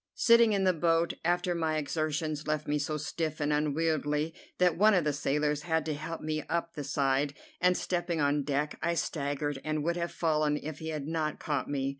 Sitting in the boat after my exertions left me so stiff and unwieldy that one of the sailors had to help me up the side, and, stepping on deck, I staggered, and would have fallen if he had not caught me.